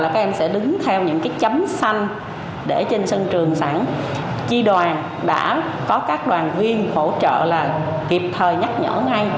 chi đoàn đã có các đoàn viên hỗ trợ là kịp thời nhắc nhở ngay